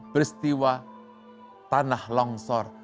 beristiwa tanah longsor